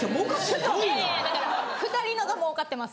いやいやだから２人のが儲かってます。